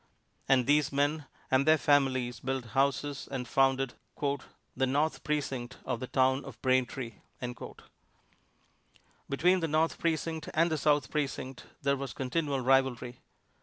And these men and their families built houses and founded "the North Precinct of the Town of Braintree." Between the North Precinct and the South Precinct there was continual rivalry.